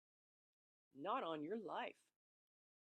Not on your life!